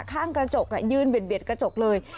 ข้างกระจกยืนเบียดกระจกเลย